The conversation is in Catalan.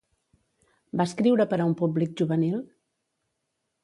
Va escriure per a un públic juvenil?